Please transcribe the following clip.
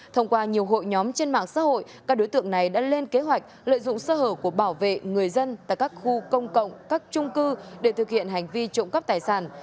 thông qua nhiều hội nhóm trên mạng xã hội các đối tượng này đã lên kế hoạch lợi dụng sơ hở của bảo vệ người dân tại các khu công cộng các trung cư để thực hiện hành vi trộm cắp tài sản